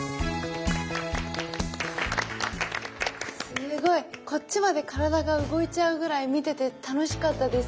すごいこっちまで体が動いちゃうぐらい見てて楽しかったです。